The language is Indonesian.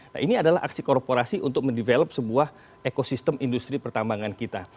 nah ini adalah aksi korporasi untuk mendevelop sebuah ekosistem industri pertambangan kita